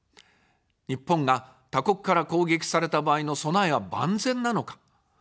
日本が他国から攻撃された場合の備えは万全なのか。